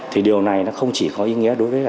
thì điều này nó không chỉ có ý nghĩa đối với cả